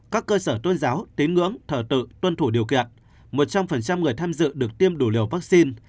các cơ sở tôn giáo tín ngưỡng thờ tự tuân thủ điều kiện một trăm linh người tham dự được tiêm đủ liều vaccine